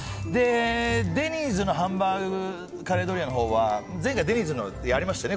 デニーズのハンバーグカレードリアのほうは前回デニーズのやりましたよね